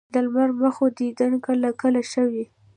د لمر مخو دیدن کله کله ښه وي